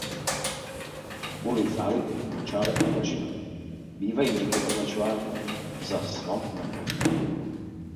Kvůli zálibě v močálech a bažinách bývají někdy označováni za „swamp metal“.